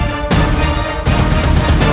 aku harus menyerang sukma